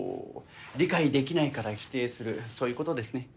理解できないから否定するそういうことですね。